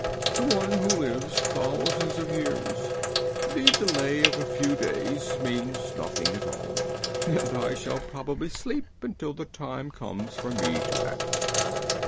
To one who lives thousands of years the delay of a few days means nothing at all, and I shall probably sleep until the time comes for me to act."